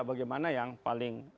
bagaimana yang paling